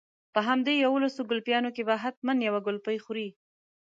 په همدې يوولسو ګلپيانو کې به حتما يوه ګلپۍ خورې.